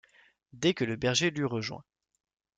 dès que le berger l’eut rejoint.